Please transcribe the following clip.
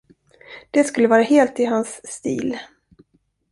Det skulle vara helt i hans stil.